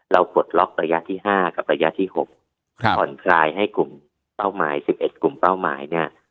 ปลดล็อกระยะที่๕กับระยะที่๖ผ่อนคลายให้กลุ่มเป้าหมาย๑๑กลุ่มเป้าหมายเนี่ย